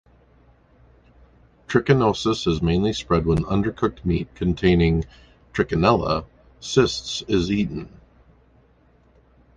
Trichinosis is mainly spread when undercooked meat containing "Trichinella" cysts is eaten.